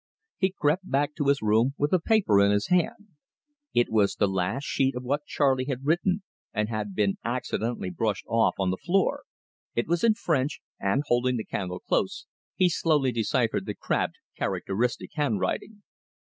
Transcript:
He crept back to his room with the paper in his hand. It was the last sheet of what Charley had written, and had been accidentally brushed off on the floor. It was in French, and, holding the candle close, he slowly deciphered the crabbed, characteristic handwriting.